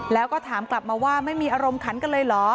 แล้วก็ถามกลับมาว่าไม่มีอารมณ์ขันกันเลยเหรอ